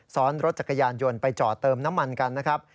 ซ้อนรถจักรยานยนต์ไปจอดเติมน้ำมันกันนะครับ